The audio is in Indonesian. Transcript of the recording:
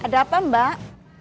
ada apa mbak